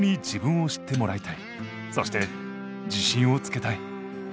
そして自信をつけたい！